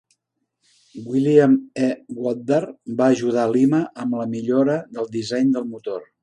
William E. Woodard va ajudar Lima amb la millora del disseny del motor.